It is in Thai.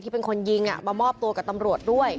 ใครเป็นคนยิงมามอบตัวสิ่งที่กับตำรวจ